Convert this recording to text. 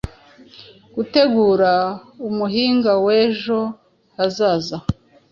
Gutegura umuhinga wejo hazaza